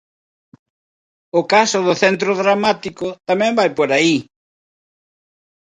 O Caso do Centro Dramático tamén vai por aí.